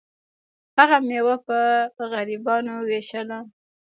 هغه میوه په غریبانو ویشله.